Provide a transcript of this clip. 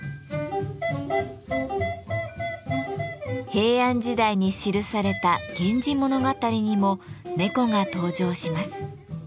平安時代に記された「源氏物語」にも猫が登場します。